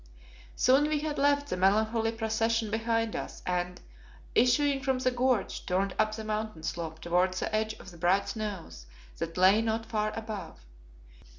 Soon we had left the melancholy procession behind us and, issuing from the gorge, turned up the Mountain slope towards the edge of the bright snows that lay not far above.